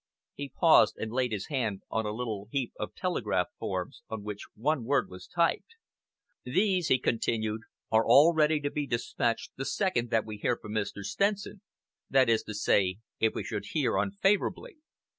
He paused and laid his hand on a little heap of telegraph forms, on which one word was typed. "These," he continued, "are all ready to be dispatched the second that we hear from Mr. Stenson that is to say if we should hear unfavourably.